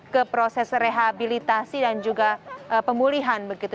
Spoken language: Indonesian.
ke proses rehabilitasi dan juga pemulihan begitu